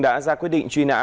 đã ra quyết định truy nã